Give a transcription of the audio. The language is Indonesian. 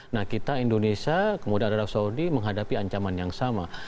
nah kita indonesia kemudian arab saudi menghadapi ancaman yang sama